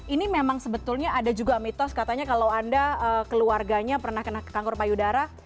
ini memang sebetulnya ada juga mitos katanya kalau anda keluarganya pernah kena kanker payudara